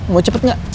mau cepet gak